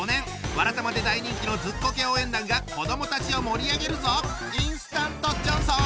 「わらたま」で大人気のずっこけ応援団が子どもたちを盛り上げるぞ！